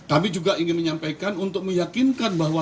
kami juga ingin menyampaikan untuk meyakinkan bahwa